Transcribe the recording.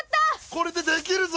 これでできるぞ。